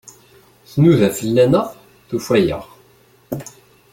Tnuda fell-aneɣ, tufa-aɣ.